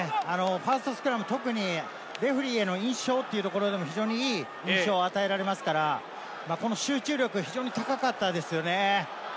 ファーストスクラム、レフェリーへの印象というところでも、非常にいい印象を与えられますから、集中力が高かったですよね。